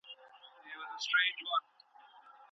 په قهر کي سلام نه هېریږي.